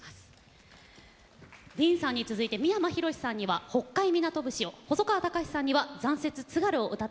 ＤＥＡＮさんに続いて三山ひろしさんには「北海港節」を細川たかしさんには「残雪・津軽」を歌って頂きます。